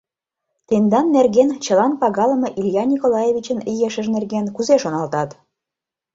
— Тендан нерген, чылан пагалыме Илья Николаевичын ешыж нерген, кузе шоналтат.